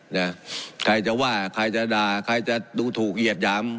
นะใครจะว่าใครจะด่าใครจะดูถูกเหยียบหยาม